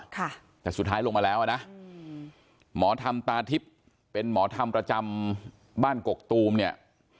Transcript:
ค่ะแต่สุดท้ายลงมาแล้วอ่ะนะอืมหมอธรรมตาทิพย์เป็นหมอธรรมประจำบ้านกกตูมเนี่ย